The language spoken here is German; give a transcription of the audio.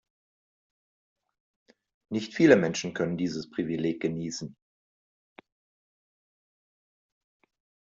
Nicht viele Menschen können dieses Privileg genießen.